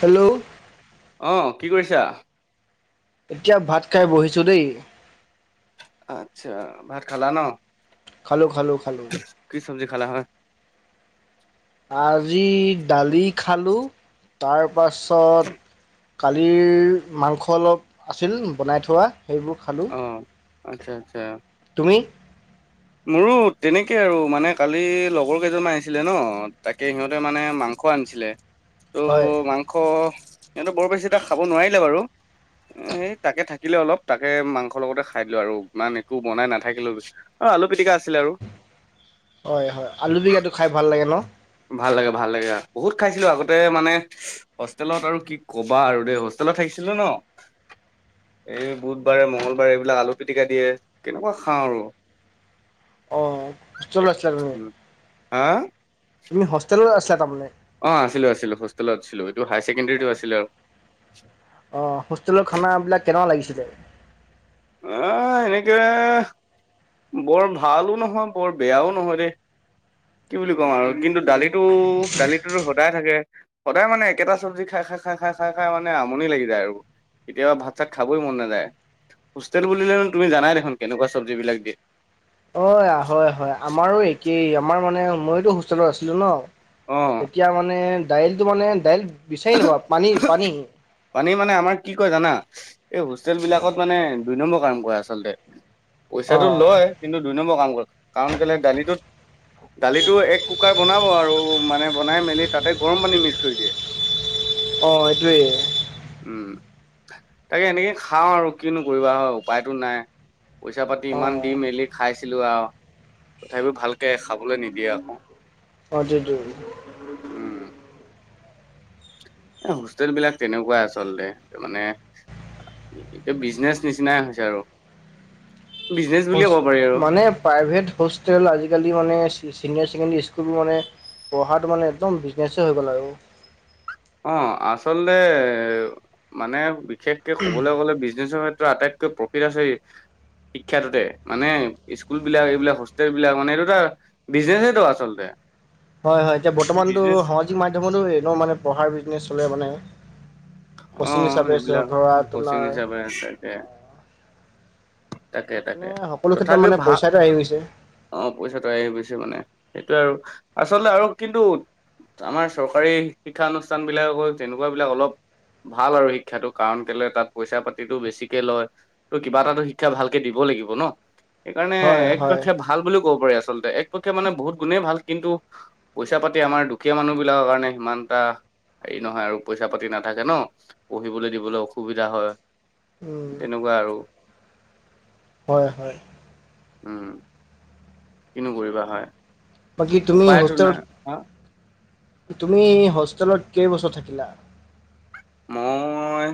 Hello? অ, কি কৰিছা? এতিয়া ভাত খাই বহিছো দেই। আচ্ছা, ভাত খালা ন? খালোঁ খালোঁ খালোঁ। কি চব্জি খালা হয়? আজি দালি খালোঁ তাৰ পাছত কালিৰ মাংস অলপ আছিল বনাই থোৱা সেইবোৰ খালোঁ অ আচ্ছা আচ্ছা। তুমি? মোৰো তেনেকে আৰু মানে কালি লগৰ কেইজনমান আহিছিলে ন তাকে সিহঁতে মানে মাং স আনিছিলে, হয় ত' মাংস সিহঁতে বৰ বেছি তাক খাব নোৱাৰিলে বাৰু। উম। উম সেই তাকে থাকিলে অলপ তাকে মাংসৰ লগতে খাই দিলো আৰু ইমান একো বনাই নাথাকিলো হৈছে। অ আলু পিটিকা আছিলে আৰু। হয় হয়, আলু পিটিকাটো খাই ভাল লাগে ন? ভাল লাগে ভাল লাগে, বহুত খাইছিলো আগতে মানে হষ্টেলত আৰু কি ক'বা আৰু দেই হষ্টেলত থাকিছিলো ন এই বুধবাৰে, মঙ্গলবাৰে এইবিলাক আলু পিটিকা দিয়ে কেনেকুৱা খাওঁ আৰু। [unintelligible] অহ, কিচল আছে আৰু। হা? তুমি হষ্টেলত আছিলা তাৰমানে? অঁ আছিলো আছিলো, হষ্টেলত আছিলোঁ এইটো হায় চেকেণ্ডেৰীটো আছিলে আৰু। অ হষ্টেলৰ খানাবিলাক কেনেকুৱা লাগিছিলে? নাই এনেকে বৰ ভালো নহয়, বৰ বেয়াও নহয় দেই, কি বুলি ক'ম আৰু কিন্তু দালিত টো দালিটোতো সদায় থাকে। সদায় মানে একেটা চব্জি খাই খাই খাই খাই খাই খাই মানে আমনি লাগি যায় আৰু। কেতিয়াবা ভাত - চাত খাবই মন নাযায়। হোষ্টেল বুলিলে তুমি জানাই দেখোন কেনেকুৱা চব্জিবিলাক দিয়ে? অ আ হয় হয় আমাৰো একেই আমাৰ মানে মইতো হোষ্টেলত আছিলো ন। অ। এতিয়া মানে দাইলটো মানে দাইল বিচাৰি নাপাবা পানী পানী। পানী মানে আমাৰ কি কয় জানা? এই হোষ্টেলবিলাকত মানে দুই নম্বৰ কাম কৰে আচলতে। পইচাটো অঁ লয় কিন্তু দুই নম্বৰ কাম কৰে কাৰণ কেলে দালিটোত দালিটো এক কুকাৰ বনাব আৰু মানে বনাই মেলি তাতে গৰম পানী মিক্স কৰি দিয়ে। অ এইটোয়ে। উম তাকে এনেকে খাওঁ আৰু কিনো কৰিবা হয় উপায়তো নাই। পইচা - পাতি অ ইমান দি মেলি খাইছিলো আৰু তথাপিও ভালকে খাবলৈ নিদিয়ে আকৌ। বাদেই দিওঁ। [inaudible] উম! [unintelligible] এ হোষ্টেল বিলাক তেনেকুৱাই আচলতে মানে [inaudible] [unintelligible] এতিয়া বিজনেছ নিচিনাই হৈছে আৰু। বিজনেচ বুলিয়ে ক'ব পাৰি আৰু [unintelligible] মানে প্ৰাইভেট হোষ্টেল আজিকালি মানে চিনিয়ৰ ছেকেণ্ডেৰী স্কুল মানে পঢ়াটো মানে একদম বিজনেছেই হৈ গ'ল আৰু। [inaudible] অঁ! [unintelligible] আচলতে মানে বিশেষ কে ক'বলৈ গ'লে বিজনেছৰ ক্ষেত্ৰত আটাইতকৈ প্ৰফিট আছে [inaudible] শিক্ষাটোতে মানে স্কুলবিলাক এইবিলাক হোষ্টেলবিলাক মানে এইটো এটা [inaudible] বিজনেচ‌ইটো আচলতে। [inaudible] হয়-হয়। এতিয়া বৰ্তমানতো বিজনেচ সামাজিক মাধ্যমতো এনেও মানে পঢ়াৰ বিজনেছ চলে মানে। [inaudible] অ', কচিং হিচাপে সেইবিলাক ধৰা তোমাৰ [unintelligible] [unintelligible] মানে তাকে-তাকে, সকলো ক্ষেত্ৰত তথাপিও মানে ভা পইচাটো আহি গৈছে [unintelligible] অঁ! পইচাটো আহি গৈছে মানে সেইটোৱে আৰু আচলতে আৰু কিন্তু [inaudible] আমাৰ চৰকাৰী শিক্ষা অনুষ্ঠানবিলাককো তেনেকুৱাবিলাক অলপ [inaudible] ভাল আৰু শিক্ষাটো কাৰণ কেলৈ তাত পইচা পাতিটো বেছিকে লয়। [inaudible] ত কিবা এটাতো শিক্ষা ভালকে দিব লাগিব ন সেইকাৰণে হয় হয় একপক্ষে [unintelligible] ভাল বুলিও ক'ব পাৰি আচলতে একপক্ষে মানে বহুত গুণেই ভাল কিন্তু [unintelligible] পইচা পাতি আমাৰ দুখীয়া মানুহ বিলাকৰ কাৰণে সিমান এটা হেৰি নহয় আৰু পইচা পাতি না [unintelligible] থাকে ন। পঢ়িবলৈ দিবলৈ অসুবিধা হয় উম তেনেকুৱা আৰু। [unintelligible] হয়-হয়। [unintelligible] উম! কিনো কৰিবা হয়? বাকী তুমি উপায়টো হোষ্টেলত নাই হা [unintelligible] তুমি হোষ্টেলত কেইবছৰ থাকিলা? [unintelligible] মই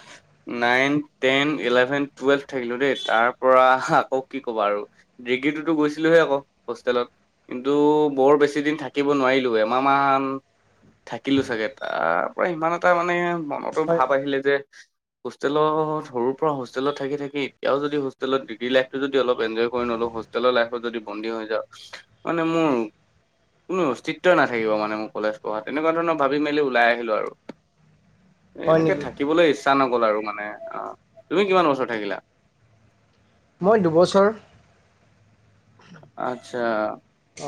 [inaudible] নাইন, টেন, ইলেভেন, টুৱেলভ থাকিলো দেই তাৰ পৰা আকৌ কি ক'বা আৰু [unintelligible] ডিগ্ৰীটোতো গৈছিলোহে আকৌ হোষ্টেলত। [inaudible] কিন্তু বৰ বেছিদিন থাকিব নোৱাৰিলোঁ এমাহমান [unintelligible] থাকিলো চাগে তাৰ পৰা ইমান এটা মানে মনতো হয় ভাৱ আহিলে যে [unintelligible] হোষ্টেলত সৰুৰ পৰা হোষ্টেলত থাকি-থাকি এতিয়াও যদি হোষ্টেলত ডিগ্ৰী লাইফটো যদি অলপ এনজয় কৰি নলওঁ [unintelligible] হোষ্টেলৰ লাইফত যদি বন্দী হৈ যাওঁ। মানে মোৰ [inaudible] কোনো অস্তিত্বই নাথাকিব মানে মোৰ কলেজ পঢ়াত তেনেকুৱা ধৰণৰ ভাবি মেলি ওলাই আহিলো আৰু। [inaudible] এ হয় এনেকে নেকি থাকিবলৈ ইচ্ছা নগল আৰু মানে অ। তুমি কিমান বছৰ থাকিলা? [unintelligible] মই দুবছৰ। [unintelligible] আচ্ছা [inaudible]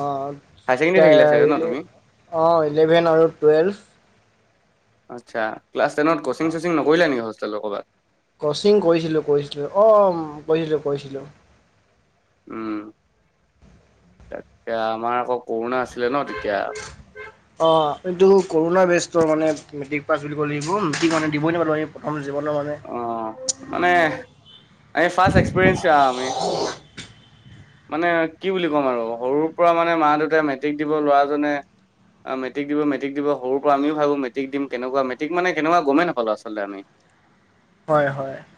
অঁ-অঁ! হায়াৰ [unintelligible] ছেকেণ্ডেৰী থাকিলা চাগে ন ডেইলী তুমি অঁ! ইলেভেন আৰু টুৱেলভ। [inaudible] আচ্ছা! ক্লাছ টেনত কচিং-চচিং নকৰিলা নেকি হোষ্টেলত ক'ৰবাত? [inaudible] কচিং কৰিছিলো-কৰিছিলো অ [unintelligible] কৰিছিলো-কৰিছিলো। উম! তাকে [unintelligible] আমাৰ আকৌ কৰোণা আছিলে ন তেতিয়া। [unintelligible] অঁ! এইটো কৰোণা বেষ্টৰ মানে মেট্ৰিক পাছ কৰিব লাগিব। মেট্ৰিক মানে দিবই নোৱাৰো আমি প্ৰথম জীৱনৰ মানে [unintelligible] অঁ! মানে ফাৰ্ষ্ট এক্সপিৰিয়েন্ঞ্চ [unintelligible] আমি। মানে কি বুলি ক'ম আৰু সৰুৰ পৰা মানে মা-দেউতাই মেট্ৰিক দিব ল'ৰাজনে [inaudible] মেট্ৰিক দিব, মেট্ৰিক দিব সৰুৰ পৰা আমিও ভাবো মেট্ৰিক দিম কেনেকুৱা। মেট্ৰিক মানে কেনেকুৱা গম নাপালো আচলতে আমি। [inaudible] হয়-হয়। [unintelligible]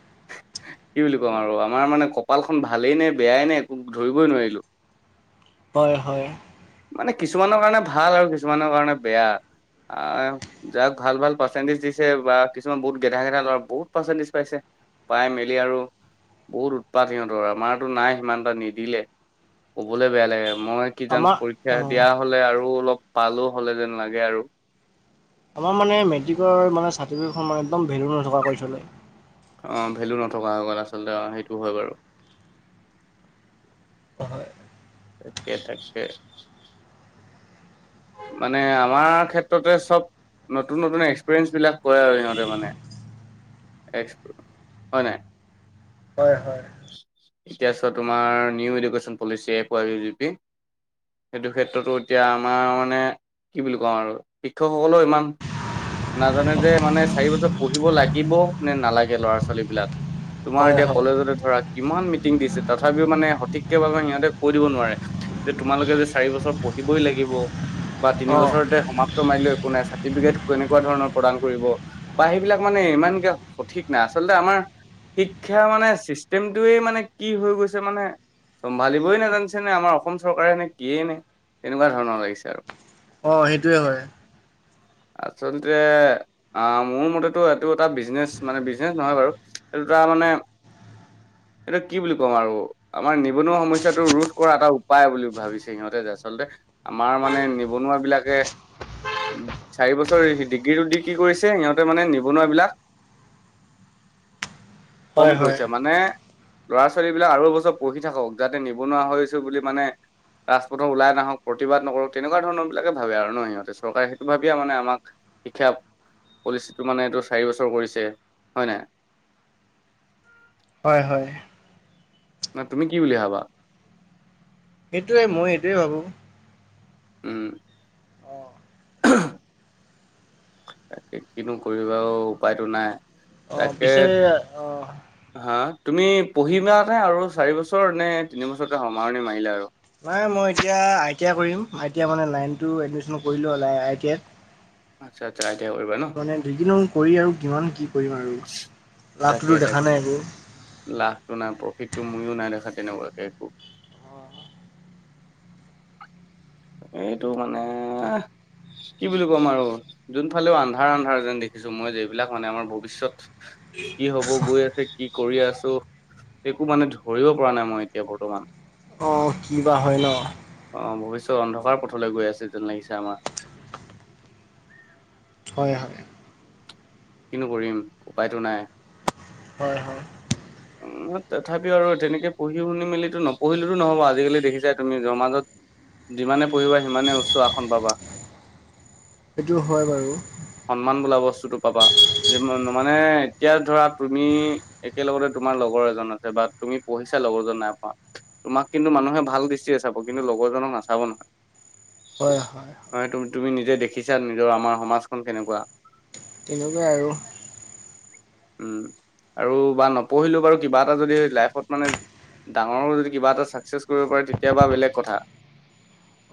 কি বুলি ক'ম আৰু আমাৰ মানে কপালখন ভালেই নে বেয়াই নে একো ধৰিবই নোৱাৰিলোঁ। হয়, হয়। মানে কিছুমানৰ কাৰণে ভাল আৰু কিছুমানৰ কাৰণে বেয়া আ যাক ভাল ভাল পাৰ্চেণ্টেজ দিছে বা কিছুমান বহুত গেধা গেধা ল'ৰা বহুত পাৰ্চেণ্টেজ পাইছে। পাই মেলি আৰু বহুত উৎপাত সিহঁতৰ আমাৰতো নাই সিমানটা নিদিলে। ক'বলৈ বেয়া লাগে মই কিজান আমাৰ অ দিয়া হ'লে আৰু অলপ পালো হ'লে যেন লাগে আৰু। আমাৰ মানে মেট্ৰিকৰ মানে চাৰ্টিফিকেটখন মানে একদম ভেলু নথকা কৰি থ'লে। অ', ভেলু নথকা হৈ গ'ল আচলতে অ' সেইটো হয় বাৰু। হয়। তাকে, তাকে। মানে আমাৰ ক্ষেত্ৰতে চব নতুন নতুন এক্সপেৰিয়েঞ্চবিলাক কৰে আৰু সিহঁতে মানে। এক্স হয় নাই? হয় হয় এতিয়া আছে তোমাৰ new education policy F Y if G P. সেইটো ক্ষেত্ৰতো এতিয়া আমাৰ মানে কি বুলি কওঁ আৰু শিক্ষকসকলেও ইমান নাজানে যে মানে চাৰি বছৰ পঢ়িব লাগিব নে নালাগে ল'ৰা ছোৱালীবিলাক। তোমাৰ হয় এতিয়া হয় কলেজতে ধৰা কিমান মিটিং দিছে তথাপিও মানে সঠিকে মানে সিহঁতে কৈ দিব নোৱাৰে যে তোমালোকে যে চাৰি বছৰ পঢ়িবই লাগিব বা অ তিনিবছৰতে সমাপ্ত মাৰিলে একো নাই চাৰ্টিফিকেট কেনেকুৱা ধৰণৰ প্ৰদান কৰিব। বা সেইবিলাক মানে ইমানকে সঠিক নাই। আচলতে আমাৰ শিক্ষা মানে চিষ্টেমটোৱে মানে কি হৈ গৈছে মানে চম্ভালি নাজানিছেনে আমাৰ অসম চৰকাৰে নে কিয়ে নে তেনেকুৱা ধৰণৰ লাগিছে আৰু। অ', সেইটোয়ে হয়। [inaudible] আচলতে মোৰ মতেতো এইটো এটা বিজনেছ মানে বিজনেছ নহয় বাৰু। এইটো তাৰ মানে এইটো কি বুলি কম আৰু আমাৰ নিবনুৱা সমস্যা টো ৰোধ কৰা এটা উপায় বুলি ভাবিছে সিহঁতে যে আচলতে। আমাৰ মানে নিবনুৱাবিলাকে চাৰি বছৰ ডিগ্ৰীটো দি কি কৰিছে সিহঁতে মানে নিবনুৱাবিলাক কম হয় হয় কৰিছে মানে ল'ৰা ছোৱালীবিলাক আৰু বছৰ পঢ়ি থাকক। যাতে নিবনুৱা হৈছো বুলি মানে ৰাজপথত ওলাই নাহক প্ৰতিবাদ নকৰক তেনেকুৱা ধৰণৰ বিলাকে ভাবে আৰু ন সিহঁতে চৰকাৰে সেইটো ভাবিয়ে মানে আমাক শিক্ষা পলিচিটো মানে এইটো চাৰি বছৰ কৰিছে হয় নাই? হয়, হয়। ন তুমি কি বুলি ভাবা? সেইটোৱে মই এইটোৱে ভাবো। উম। অ তাকে কিনো কৰিবা অ' উপায়তো নাই। অ তাকে পিছে অ'। হা তুমি পঢ়িবানে আৰু চাৰিবছৰ নে তিনিবছৰতে সামৰণি মাৰিলা আৰু? নাই মই এতিয়া আই টি আই কৰিম আই টি আই মানে লাইন তো এডমিশ্যন কৰিলোঁ হ'লে আই টি আইত। আৎচ্ছা আৎচ্ছা আই টি আই কৰিবা ন। ডিগ্ৰিনো কৰি আৰু কিমান কি কৰিম আৰু তাকে লাভটোতো তাকে দেখা নাই একো। লাভটো নাই প্ৰফিত টো মইও নাই দেখা তেনেকুৱাকে একো। এইটো মানে এ- কি বুলি ক'ম আৰু যোনফালেও আন্ধাৰ আন্ধাৰ যেন দেখিছো মই যিবিলাক মানে আমাৰ ভৱিষ্যত। কি হব গৈ আছে কি কৰি আছো? একো মানে ধৰিব পৰা নাই মই এতিয়া বৰ্তমান। অঁ, কি বা হয় ন? অঁ ভৱিষ্যত অন্ধকাৰ পথলে গৈ আছে যেন লাগিছে আমাৰ। হয় হয়। কিনো কৰিম উপায়টো নাই। হয় হয় উম তথাপিও আৰু তেনেকে পঢ়ি শুনি মেলিটো নপঢ়িলেও নহ'ব আজিকালি দেখিছাই তুমি সমাজত- যিমানে পঢ়িবা সিমানে উচ্চ আসন পাবা। সেইটো হয় বাৰু। সন্মান বোলা বস্তুটো পাবা মানে এতিয়া ধৰা, তুমি- একেলগতে তোমাৰ লগৰ এজন আছে বা তুমি পঢ়িছা লগৰজন নাই পঢ়া। তোমাক কিন্তু মানুহে ভাল দৃষ্টিৰে চাব, কিন্তু লগৰজনক নাচাব নহয়। হয় হয়। হয়, তুমি নিজে দেখিছা নিজৰ আমাৰ সমাজখন কেনেকুৱা? তেনেকুৱাই আৰু। উম, আৰু বা নপঢ়িলেও বাৰু কিবা এটা যদি লাইফত মানে- ডাঙৰো যদি কিবা এটা ছাকচেছ কৰিব পাৰে তেতিয়াবা বেলেগ কথা।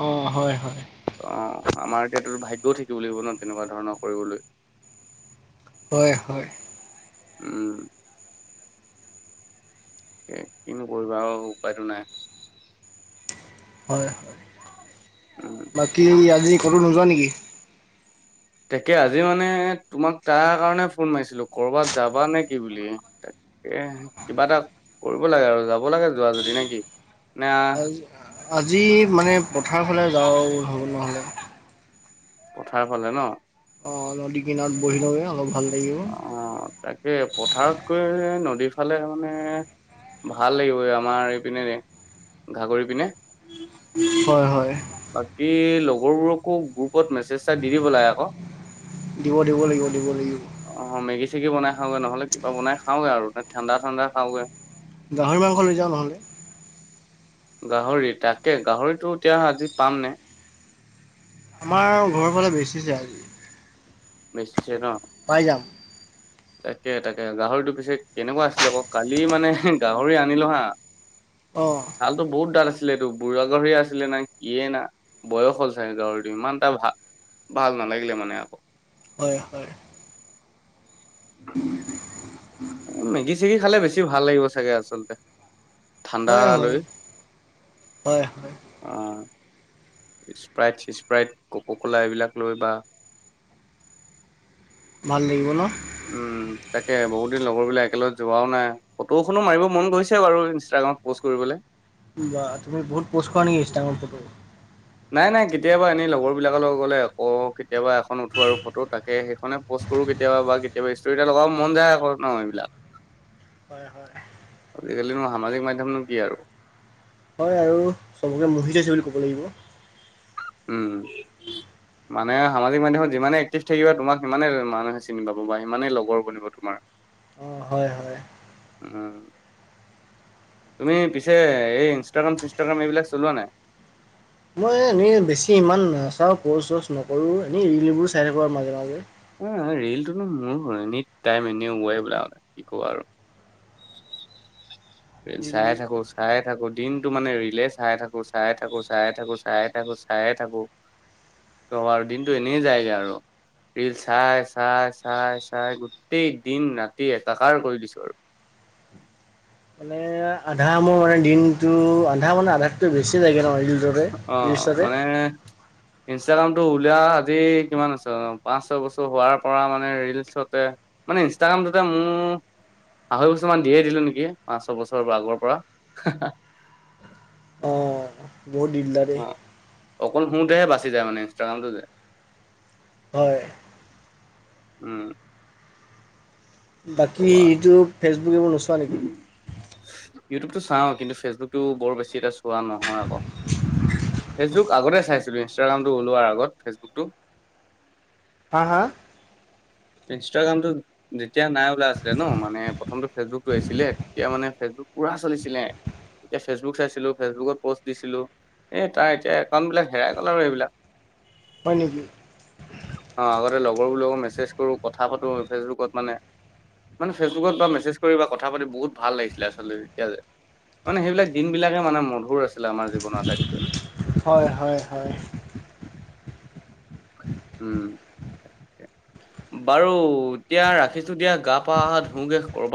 অঁ' হয় হয়। অঁ' আমাৰ এতিয়াতো ভাগ্যও থাকিব লাগিব ন' তেনেকুৱা ধৰণৰ কৰিবলৈ। হয় হয়। উম' এ কিনো কৰিবা আও উপায়টো নাই। হয়। উম' বাকী আজি ক'তো নোযোৱা নেকি? তাকে, আজি মানে তোমাক তাৰ কাৰণে ফোন মাৰিছিলো কৰবাত যাবা নে কি বুলি? এহঁ কিবা এটা কৰিব লাগে আৰু যাব লাগে যোৱা যদি নে কি? না- আজি আজি মানে পথাৰ ফালে যাওঁ হ'ব নহ'লে। পথাৰ ফালে ন। অ নদী কিনাৰত বহি লওগে অলপ ভাল লাগিব। অ তাকে, পথাৰত কৈ নদীৰ ফালে মানে- ভাল লাগিব এই আমাৰ এইপিনে, ঘাগৰি পিনে। হয় হয়। বাকী লগৰবোৰকো গ্ৰুপত মেছেজ এটা দি দিব লাগে ক। দিব দিব লাগিব দিব লাগিব। অঁ' মেগি চেগী বনাই খাওঁগে নহ'লে কিবা বনাই খাওঁগে আৰু ঠাণ্ডা চাণ্ডা খাওঁগে। গাহৰি মাংস লৈ যাওঁ নহ'লে। গাহৰি তাকে, গাহৰিটো এতিয়া আজি পাম নে? আমাৰ ঘৰৰ ফালে বেচিছে আজি। বেচিছে ন'। পাই যাম। [unintelligible] তাকে তাকে গাহৰিটো পিছে কেনেকুৱা আছিলে আকৌ কালি মানে গাহৰি আনিলোঁ হা। [unintelligible] অ'হ। ছালতো বহুত ডাঠ আছিলে এইটো বুঢ়া গাহৰিয়ে আছিলে না কিয়ে না। বয়স হ'ল চাগে গাহৰিটোৰ ইমান এটা ভা ভাল নালাগিলে মানে আকৌ। হয় হয়। উম মেগী চেগী খালে বেছি ভাল লাগিব চাগে আচলতে, ঠাণ্ডা হয় লৈ। হয় হয়। অ স্প্ৰাইট স্প্ৰাইট ক'ক' কলা এইবিলাক লৈ বা। ভাল লাগিব ন'। উম, তাকে বহুত দিন লগৰবিলাক একেলগে যোৱাও নাই। ফটোখনো মাৰিব মন গৈছে বাৰু ইনষ্টাগ্ৰামত প'ষ্ট কৰিবলে। বা তুমি বহুত পোষ্ট কৰা নেকি ইনষ্টাগ্ৰামত ফটো। নাই নাই কেতিয়াবা এনেই লগৰ বিলাকৰ লগত গ'লে আকৌ কেতিয়াবা এখন উঠো আৰু ফটো তাকে সেইখনে। পোষ্ট কৰো কেতিয়াবা বা কেতিয়াবা ষ্টোৰি এটা লগাবও মন যায় আকৌ ন' এইবিলাক। হয় হয়। আজিকালি নো সমাজিক মাধ্যমনো কি আৰু। হয় আৰু। চবকে মোহি থৈছে বুলি ক'ব লাগিব। উম। মানে সামাজিক মাধ্যমত যিমানে এক্টিভ থাকিবা তোমাক সিমানে মানুহে চিনি পাব বা সিমানেই লগৰ বনিব তোমাৰ। অ' হয়। হয় উম। তুমি পিছে এই ইনষ্টাগ্ৰাম চিনষ্টাগ্ৰাম এইবিলাক চলোৱা নাই। মই এনেই বেছি ইমান নাচাওঁ পোষ্ট - চষ্ট নকৰোঁ এনেই ৰিলবোৰ চাই থাকোঁ আৰু মাজে মাজে। অ ৰিল টোনো মোৰ হয় এনি টাইম ৱাই বোলো কি কবা আৰু। ৰিল চাই ৰিলবোৰ থাকো চাই থাকোঁ দিনতটো মানে ৰিলে চাই থাকোঁ চাই থাকোঁ চাই থাকোঁ চাই থাকোঁ চাই থাকোঁ। কি কবা আৰু দিনটো এনেই যায়গে আৰু। ৰিল চাই চাই চাই চাই গোটেই দিন ৰাতি একাকাৰ কৰি দিছো আৰু। মানে আধা মোৰ মানে দিনটো আধা মানে আধাতকৈ বেছি লাগে তাৰ মানে ৰিল। অ' মানে। ইনষ্টাগ্ৰামটো উলিয়া আজি কিমান আছে পাঁচ ছয় বছৰ হোৱাৰ পৰা মানে ৰিল চাওঁতে। মানে ইনষ্টাগ্ৰামটোটে মোৰ। আঢ়ৈ বছৰমান দিয়ে দিলোঁ নেকি পাঁচ ছয় বছৰ বা আগৰ পৰা। হুহ। দিলা ৰে। অ অকল শুৱতে বাচি যায় মানে ইনষ্টাগ্ৰামটো যে। হয় উম বাকী কবা এইটো ফেচবুক এইবোৰ নোচোৱা নেকি। ইউটিউবটো চাওঁ কিন্তু ফেচবুকটো বৰ বেছি এটা চোৱা নহয় আকৌ। ফেচবুক আগতে চাইছিলোঁ ইনষ্টাগ্ৰামটো ওলোৱাৰ আগত ফেচবুকটো। হা হা ইনষ্টাগ্ৰামটো। যেতিয়া নাই উলোৱা আছিলে ন মানে প্ৰথমটো ফেচবুকটো আহিছিলে তেতিয়া মানে ফেচবুক পুৰা চলিছিলে। এতিয়া ফেচবুক চাইছিলো ফেচবুকত পোষ্ট দিছিলো এই তাৰ এতিয়া একাউণ্ট বিলাক হেৰাই গ'ল আৰু এইবিলাক। হয় নেকি? অ আগতে লগৰবোৰ মেছেজ কৰো কথা পাতো ফেচবুকত মানে, মানে ফেচবুকত বা মেছেজ কৰি বা কথা পাতি বহুত ভাল লাগিছিলে আচলতে তেতিয়া যে, মানে সেইবিলাক দিন বিলাকে মানে মধুৰ আছিলে আমাৰ জীৱনৰ আটাইতকৈ। হয় হয় হয়। উম তাকে, বাৰু এতিয়া ৰাখিছো দিয়া গা পা ধুগে কৰবাত,